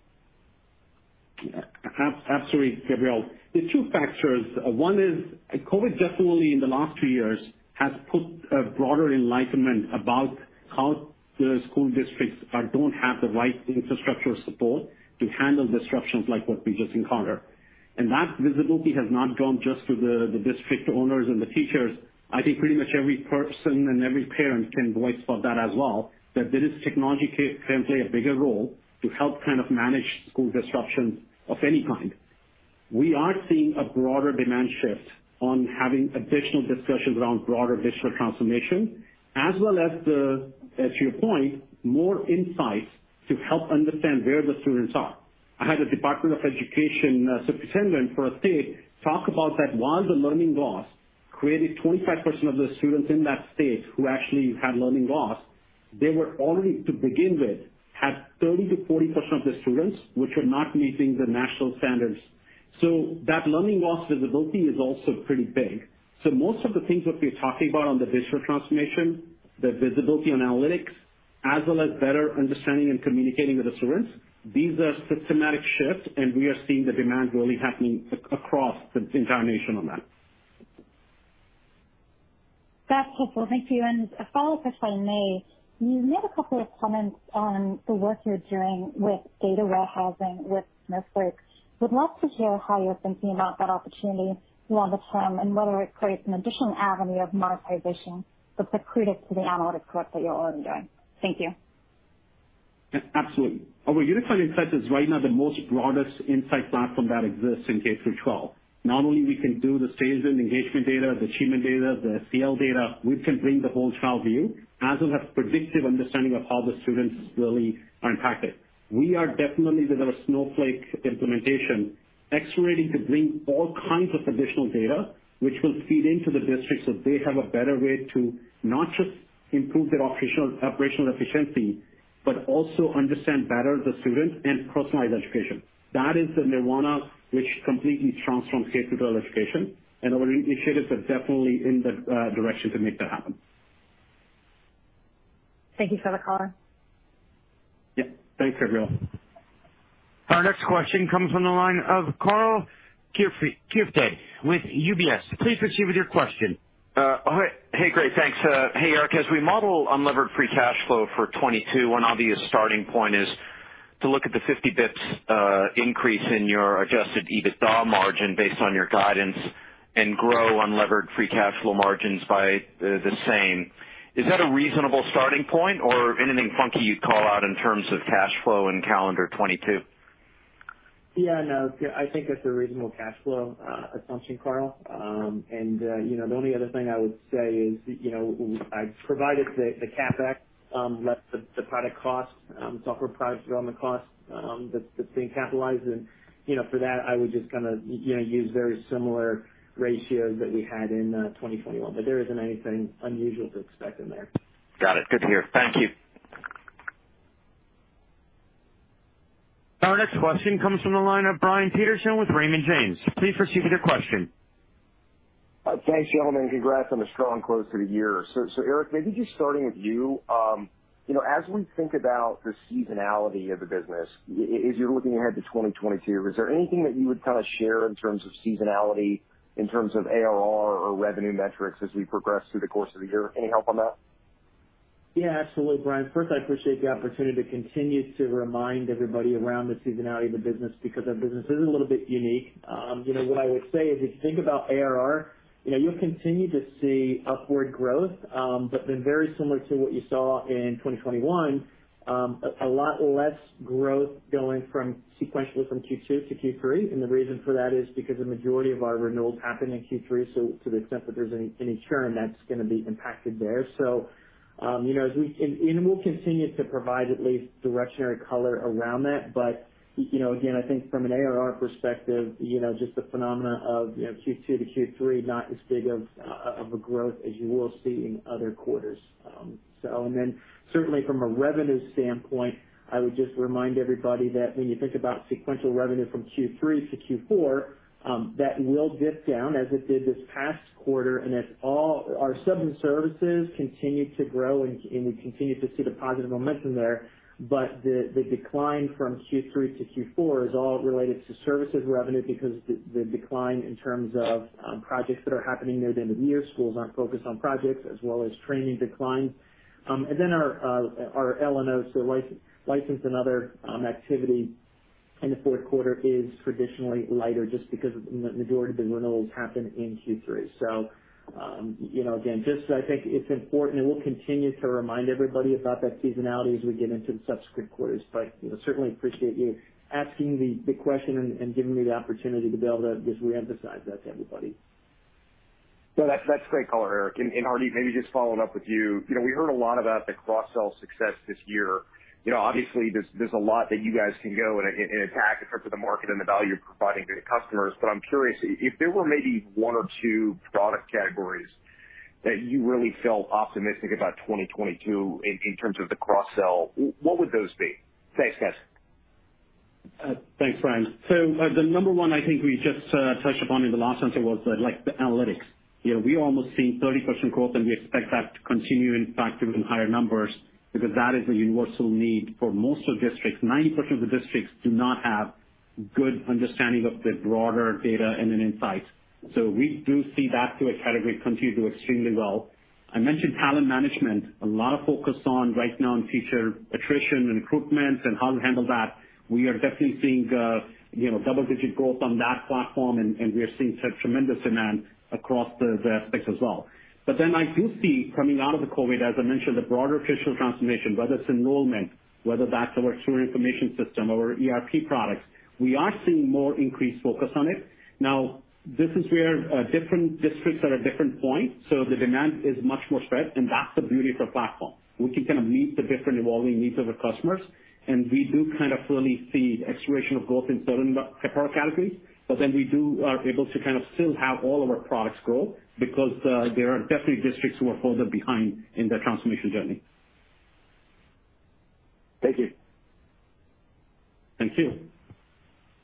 Absolutely, Gabriela. There are two factors. One is COVID definitely in the last two years has put a broader enlightenment about how the school districts don't have the right infrastructure support to handle disruptions like what we just encountered. That visibility has not gone just to the district owners and the teachers. I think pretty much every person and every parent can vouch for that as well, that there is technology can play a bigger role to help kind of manage school disruptions of any kind. We are seeing a broader demand shift on having additional discussions around broader digital transformation as well as the, as you point, more insights to help understand where the students are. I had a department of education, superintendent for a state talk about that while the learning loss created 25% of the students in that state who actually had learning loss, they were already to begin with, had 30%-40% of the students which were not meeting the national standards. That learning loss visibility is also pretty big. Most of the things that we're talking about on the digital transformation, the visibility on analytics, as well as better understanding and communicating with the students, these are systematic shifts, and we are seeing the demand really happening across the entire nation on that. That's helpful. Thank you. A follow-up, if I may. You made a couple of comments on the work you're doing with data warehousing with Snowflake. Would love to hear how you're thinking about that opportunity longer term and whether it creates an additional avenue of monetization that's accretive to the analytics work that you're already doing. Thank you. Absolutely. Our Unified Insights is right now the most broadest insight platform that exists in K through 12. Not only we can do the stage and engagement data, the achievement data, the SEL data, we can bring the whole child view as well as predictive understanding of how the students really are impacted. We are definitely, with our Snowflake implementation, accelerating to bring all kinds of additional data which will feed into the district so they have a better way to not just improve their operational efficiency, but also understand better the student and personalize education. That is the nirvana which completely transforms K through 12 education, and our initiatives are definitely in the direction to make that happen. Thank you for the color. Yeah. Thanks, Gabriela. Our next question comes from the line of Karl Keirstead with UBS. Please proceed with your question. Hi. Hey, great. Thanks. Hey, Eric, as we model unlevered free cash flow for 2022, one obvious starting point is to look at the 50 basis points increase in your adjusted EBITDA margin based on your guidance and grow unlevered free cash flow margins by the same. Is that a reasonable starting point or anything funky you'd call out in terms of cash flow in calendar 2022? Yeah, no, yeah, I think that's a reasonable cash flow assumption, Karl. You know, the only other thing I would say is that, you know, I provided the CapEx less the product costs, software product development costs that's being capitalized. You know, for that, I would just kinda you know use very similar ratios that we had in 2021, but there isn't anything unusual to expect in there. Got it. Good to hear. Thank you. Our next question comes from the line of Brian Peterson with Raymond James. Please proceed with your question. Thanks, gentlemen. Congrats on the strong close to the year. Eric, maybe just starting with you. You know, as we think about the seasonality of the business, as you're looking ahead to 2022, is there anything that you would kind of share in terms of seasonality, in terms of ARR or revenue metrics as we progress through the course of the year? Any help on that? Yeah, absolutely, Brian. First, I appreciate the opportunity to continue to remind everybody around the seasonality of the business because our business is a little bit unique. You know, what I would say is, if you think about ARR, you know, you'll continue to see upward growth, but then very similar to what you saw in 2021, a lot less growth going sequentially from Q2 to Q3. The reason for that is because the majority of our renewals happen in Q3, so to the extent that there's any churn that's gonna be impacted there. We'll continue to provide at least directional color around that. You know, again, I think from an ARR perspective, you know, just the phenomenon of, you know, Q2 to Q3, not as big of a growth as you will see in other quarters. Certainly from a revenue standpoint, I would just remind everybody that when you think about sequential revenue from Q3 to Q4, that will dip down as it did this past quarter. As all our subs and services continue to grow and we continue to see the positive momentum there, the decline from Q3 to Q4 is all related to services revenue because the decline in terms of projects that are happening near the end of the year, schools aren't focused on projects as well as training declines. Our L&O, so license and other activity in the Q4 is traditionally lighter just because the majority of the renewals happen in Q3. You know, again, just I think it's important and we'll continue to remind everybody about that seasonality as we get into the subsequent quarters. You know, I certainly appreciate you asking the question and giving me the opportunity to be able to just reemphasize that to everybody. No, that's great color, Eric. Hardeep, maybe just following up with you. You know, we heard a lot about the cross-sell success this year. You know, obviously, there's a lot that you guys can go and attack in terms of the market and the value you're providing to the customers. But I'm curious if there were maybe one or two product categories that you really felt optimistic about 2022 in terms of the cross-sell, what would those be? Thanks, guys. Thanks, Brian. The number one I think we just touched upon in the last answer was like the analytics. You know, we almost seen 30% growth, and we expect that to continue, in fact, even higher numbers because that is a universal need for most of the districts. 90% of the districts do not have good understanding of the broader data and then insights. We do see that as a category continue to do extremely well. I mentioned talent management, a lot of focus on right now on teacher attrition and recruitment and how to handle that. We are definitely seeing you know, double-digit growth on that platform, and we are seeing such tremendous demand across the specs as well. I do see coming out of the COVID, as I mentioned, the broader digital transformation, whether it's enrollment, whether that's our student information system, our ERP products, we are seeing more increased focus on it. Now, this is where different districts are at different points, so the demand is much more spread, and that's the beauty of our platform. We can kind of meet the different evolving needs of our customers, and we do kind of fully see acceleration of growth in certain categories. We are able to kind of still have all of our products grow because there are definitely districts who are further behind in their transformation journey. Thank you. Thank you.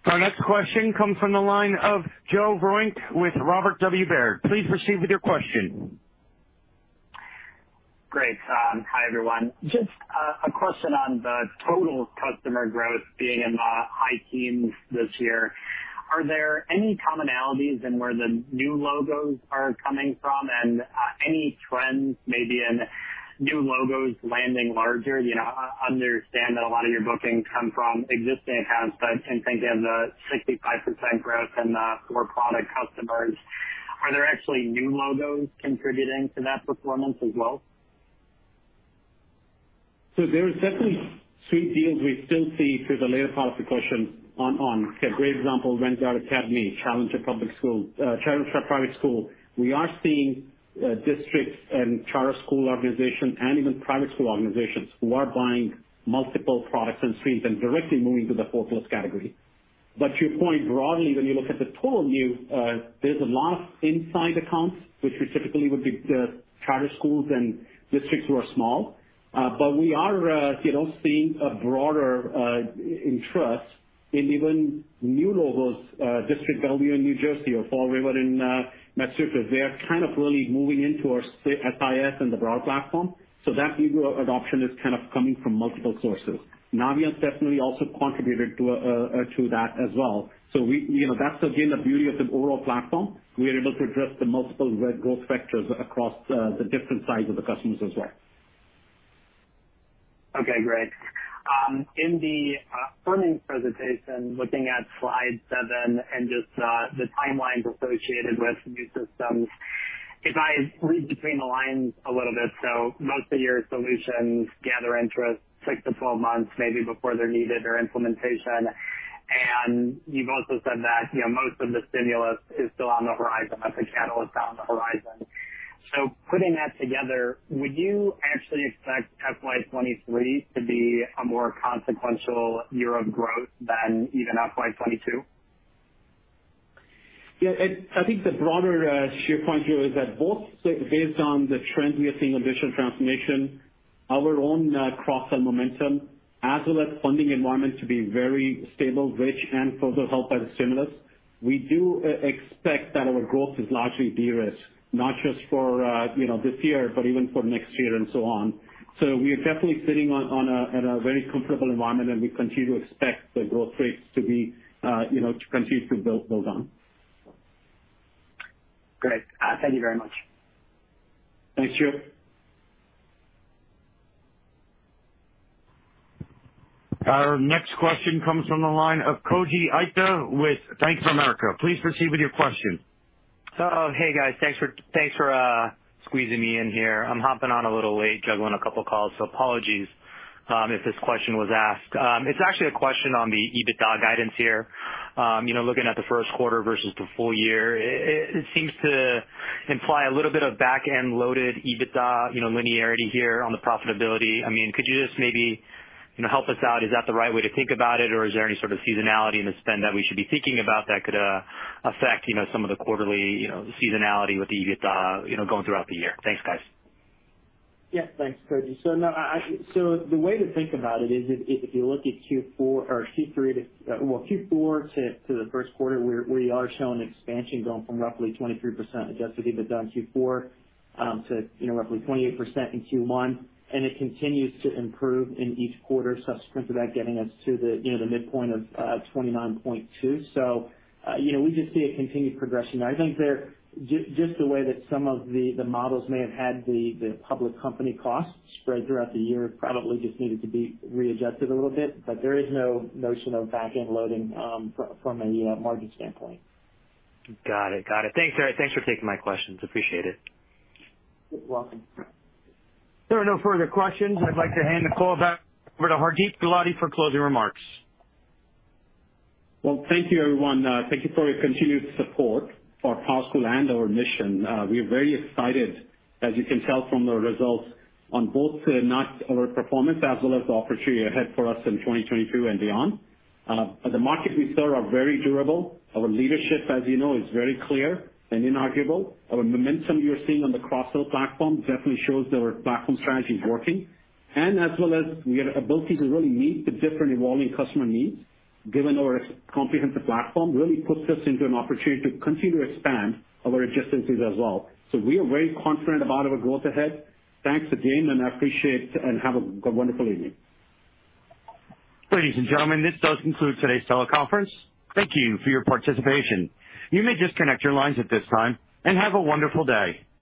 Our next question comes from the line of Joe Vruwink with Robert W. Baird. Please proceed with your question. Great. Hi, everyone. Just a question on the total customer growth being in the high teens this year. Are there any commonalities in where the new logos are coming from and any trends maybe in new logos landing larger? You know, understand that a lot of your bookings come from existing accounts, but in thinking of the 65% growth in the core product customers, are there actually new logos contributing to that performance as well? There are definitely suite deals we still see through the latter part of the question. Okay, great example, Renaissance Academy, Challenger School. We are seeing districts and charter school organization and even private school organizations who are buying multiple products and suites and directly moving to the four plus category. But to your point, broadly, when you look at the total new, there's a lot of inside accounts, which would typically be the charter schools and districts who are small. But we are, you know, seeing a broader interest in even new logos, District W in New Jersey or Fall River in Massachusetts. They are kind of really moving into our SIS and the broad platform, so that new adoption is kind of coming from multiple sources. Naviance definitely also contributed to that as well. You know, that's again the beauty of the overall platform. We are able to address the multiple key growth vectors across the different needs of the customers as well. Okay, great. In the earnings presentation, looking at slide 7 and just the timelines associated with new systems, if I read between the lines a little bit, most of your solutions gather interest 6 to 12 months maybe before they're needed or implementation. You've also said that, you know, most of the stimulus is still on the horizon as the catalyst on the horizon. Putting that together, would you actually expect FY 2023 to be a more consequential year of growth than even FY 2022? Yeah, I think the broader sheer point here is that both based on the trends we are seeing on digital transformation, our own cross-sell momentum, as well as funding environment to be very stable, rich, and further helped by the stimulus. We do expect that our growth is largely de-risked, not just for you know, this year, but even for next year and so on. We are definitely sitting in a very comfortable environment, and we continue to expect the growth rates to be you know, to continue to build on. Great. Thank you very much. Thanks, Chip. Our next question comes from the line of Koji Ikeda, with Bank of America. Please proceed with your question. Oh, hey, guys. Thanks for squeezing me in here. I'm hopping on a little late, juggling a couple calls, so apologies if this question was asked. It's actually a question on the EBITDA guidance here. You know, looking at the first quarter versus the full year, it seems to imply a little bit of back-end loaded EBITDA, you know, linearity here on the profitability. I mean, could you just maybe, you know, help us out? Is that the right way to think about it, or is there any sort of seasonality in the spend that we should be thinking about that could affect, you know, some of the quarterly, you know, seasonality with the EBITDA, you know, going throughout the year? Thanks, guys. Thanks, Koji. No, the way to think about it is if you look at Q4 to the first quarter, we are showing expansion going from roughly 23% adjusted EBITDA in Q4 to you know, roughly 28% in Q1. It continues to improve in each quarter subsequent to that, getting us to the midpoint of 29.2%. You know, we just see a continued progression. I think just the way that some of the models may have had the public company costs spread throughout the year probably just needed to be readjusted a little bit. There is no notion of back-end loading from a margin standpoint. Got it. Thanks, Eric. Thanks for taking my questions. Appreciate it. You're welcome. If there are no further questions, I'd like to hand the call back over to Hardeep Gulati for closing remarks. Well, thank you, everyone. Thank you for your continued support for PowerSchool and our mission. We are very excited, as you can tell from the results on both our performance as well as the opportunity ahead for us in 2022 and beyond. The markets we serve are very durable. Our leadership, as you know, is very clear and inarguable. Our momentum you're seeing on the cross-sell platform definitely shows that our platform strategy is working. As well as we have ability to really meet the different evolving customer needs, given our comprehensive platform, really puts us into an opportunity to continue to expand our adjacencies as well. We are very confident about our growth ahead. Thanks again, and I appreciate and have a wonderful evening. Ladies and gentlemen, this does conclude today's teleconference. Thank you for your participation. You may disconnect your lines at this time, and have a wonderful day.